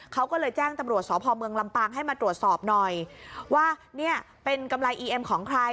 เขาก็เลยแจ้งตำรวจสพเมืองลำปางให้มาตรวจสอบหน่อยว่าเนี่ยเป็นกำไรอีเอ็มของใคร